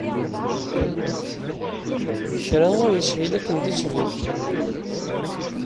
Kra ur yeshil akken i d-yettbin.